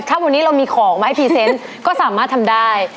ถ้าวันนี้เรามีของมาให้พรีเซนต์ก็สามารถทำได้